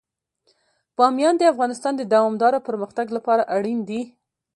بامیان د افغانستان د دوامداره پرمختګ لپاره اړین دي.